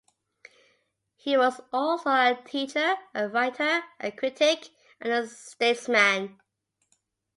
He was also a teacher, a writer, a critic, and a statesman.